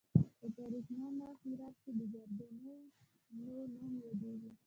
په تاریخ نامه هرات کې د کردانو نوم یادیږي.